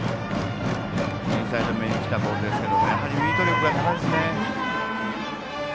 インサイド目にきたボールですけどミート力が高いですね。